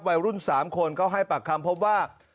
วัยรุ่น๓คนก็ให้ปากคำพบว่า